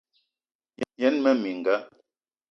Yen mmee minga: